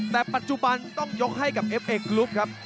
แต่ปัจจุบันต้องยกให้กับเอฟเอกกรุ๊ปครับ